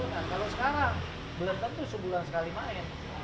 nah kalau sekarang belum tentu sebulan sekali main